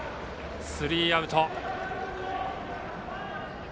スリーアウト。